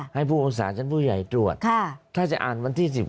ให้ผู้ปรึกษาชั้นผู้ใหญ่ตรวจถ้าจะอ่านวันที่๑๖